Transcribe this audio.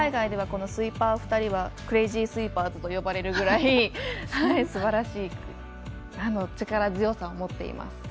スイーパー２人はクレージースイーパーズと呼ばれるぐらい、すばらしい力強さを持っています。